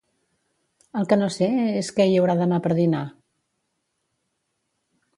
El que no sé és què hi haurà demà per dinar